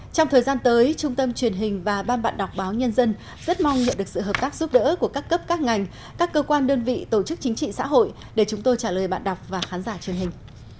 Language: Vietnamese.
trong thời gian tới trung tâm truyền hình và ban bạn đọc báo nhân dân rất mong nhận được sự hợp tác giúp đỡ của các cấp các ngành các cơ quan đơn vị tổ chức chính trị xã hội để chúng tôi trả lời bạn đọc và khán giả truyền hình